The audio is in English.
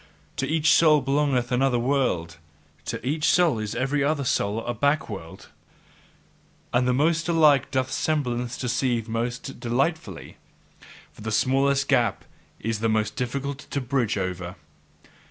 To each soul belongeth another world; to each soul is every other soul a back world. Among the most alike doth semblance deceive most delightfully: for the smallest gap is most difficult to bridge over.